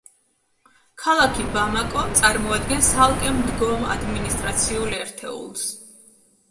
ქალაქი ბამაკო წარმოადგენს ცალკე მდგომ ადმინისტრაციულ ერთეულს.